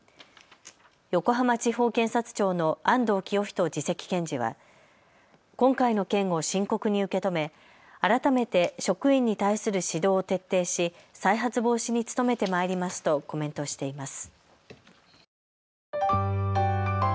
横浜地方検察庁の安藤浄人次席検事は今回の件を深刻に受け止め改めて職員に対する指導を徹底し再発防止に努めてまいりますとコメントしています。